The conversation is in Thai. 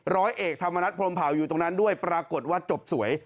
ร้อยเอกธรรมนัฐพรมเผาอยู่ตรงนั้นด้วยปรากฏว่าจบสวย